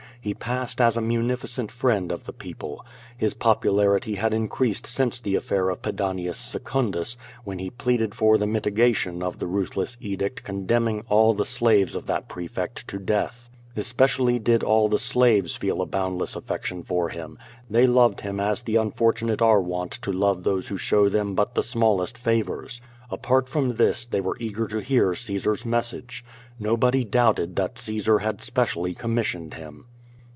He passed as a munificent friend of the people. His popularity had in creased since the affair of Pedanius Secundus, when he plead ed for the mitigation of the ruthless edict condemning all the slaves of that prefect to death. Especially did all the slaves feel a boundless affection for him. They loved him as the unfortunate are wont to love those who show them but the smallest favors. Apart from this they were eager to hear Caesar's message. Nobody doubted that Caesar had specially commissioned him.